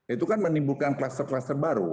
itu kan menimbulkan kluster kluster baru